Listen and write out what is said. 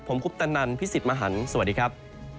ผมคุปตะนันพี่สิทธิ์มหันฯสวัสดีครับ